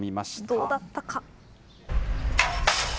どうだったか。